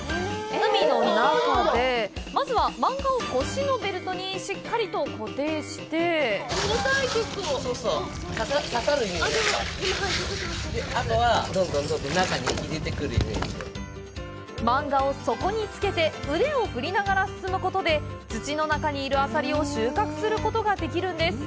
海の中で、まずはマンガを腰のベルトにしっかりと固定してマンガを底につけて腕を振りながら進むことで土の中にいる、あさりを収穫することができるんです。